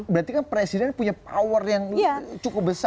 berarti kan presiden punya power yang cukup besar